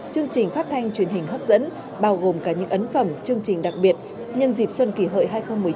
chương trình phát thanh truyền hình hấp dẫn bao gồm cả những ấn phẩm chương trình đặc biệt nhân dịp xuân kỷ hợi hai nghìn một mươi chín